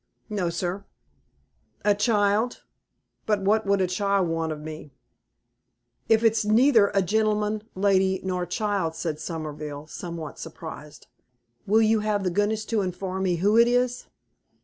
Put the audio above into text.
"No, sir." "A child? But what could a child want of me?" "If it's neither a gentleman, lady, nor child," said Somerville, somewhat surprised, "will you have the goodness to inform me who it is?"